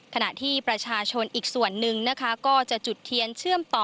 ขณะที่ประชาชนอีกส่วนหนึ่งนะคะก็จะจุดเทียนเชื่อมต่อ